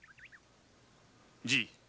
じい！